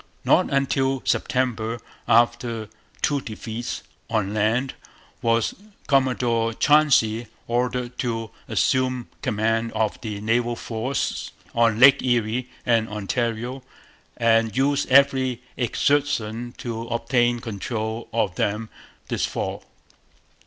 Not until September, after two defeats on land, was Commodore Chauncey ordered 'to assume command of the naval force on Lakes Erie and Ontario, and use every exertion to obtain control of them this fall.'